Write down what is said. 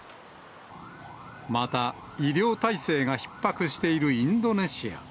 また医療体制がひっ迫しているインドネシア。